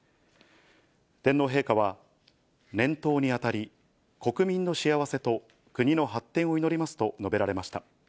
天皇陛下は、年頭にあたり、国民の幸せと国の発展を祈りますと述べられました。